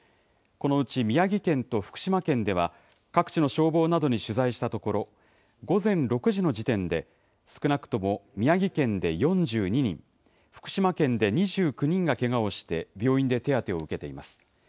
このうち宮城県と福島県では、各地の消防などに取材したところ、午前６時の時点で、少なくとも宮城県で４２人、福島県で２９人がけがをして、病院で手当てを受けています。